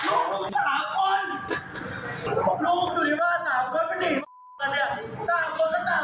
ทำไมมึงไม่บอกมึงบอกดาวว่าเดี๋ยวมาเอากลับมา